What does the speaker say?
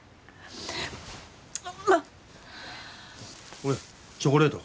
これチョコレート。